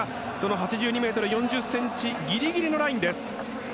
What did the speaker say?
８２ｍ４０ｃｍギリギリのラインです。